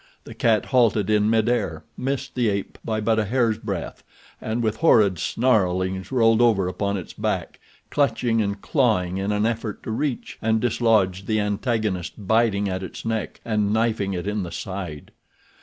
The cat halted in mid air, missed the ape by but a hair's breadth, and with horrid snarlings rolled over upon its back, clutching and clawing in an effort to reach and dislodge the antagonist biting at its neck and knifing it in the side.